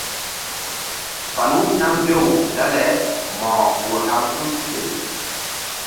Falu nam mbew dale mo̧ko ur haŋ tul fe.